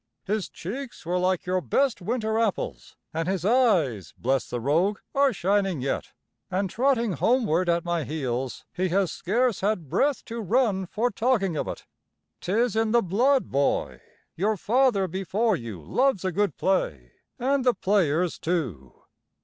His cheeks were like your best winter apples, an' his eyes, bless the rogue, are shining yet. An' trotting homeward at my heels, he has scarce had breath to run for talking of it. 'Tis in the blood, boy; your father before you loves a good play, an' the players, too."